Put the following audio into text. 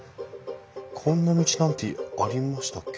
こんな道なんてありましたっけ？